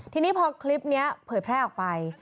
ทีนี้พอคลิปนี้เผยแพร่ออกไป